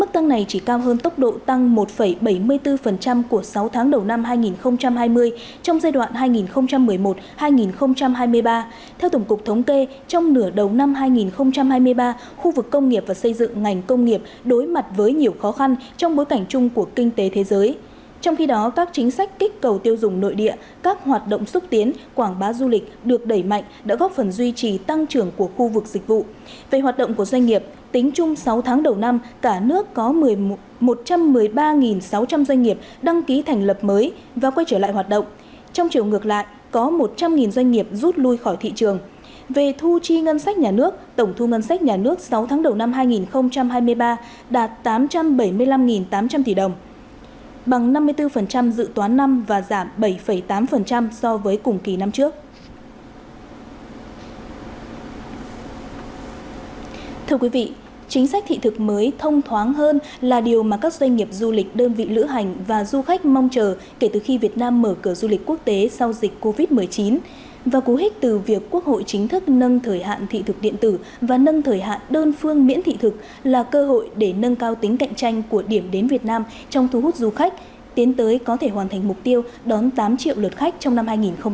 thưa quý vị chính sách thị thực mới thông thoáng hơn là điều mà các doanh nghiệp du lịch đơn vị lữ hành và du khách mong chờ kể từ khi việt nam mở cửa du lịch quốc tế sau dịch covid một mươi chín và cố hít từ việc quốc hội chính thức nâng thời hạn thị thực điện tử và nâng thời hạn đơn phương miễn thị thực là cơ hội để nâng cao tính cạnh tranh của điểm đến việt nam trong thu hút du khách tiến tới có thể hoàn thành mục tiêu đón tám triệu lượt khách trong năm hai nghìn hai mươi ba